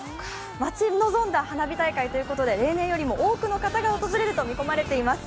待ち望んだ花火大会ということで、例年よりも多くの方が訪れると見込まれて今寸。